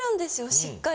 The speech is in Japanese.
しっかり。